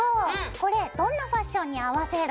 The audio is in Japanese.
これどんなファッションに合わせる？